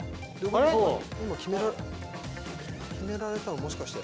決められたのもしかして。